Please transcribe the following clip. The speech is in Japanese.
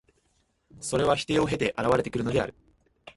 それは否定を経て現れてくるのである。